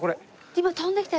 今飛んできたよ